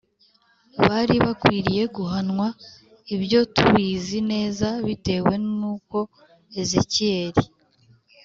Bari bakwiriye guhanwa ibyo tubizi neza bitewe n uko ezekiyeli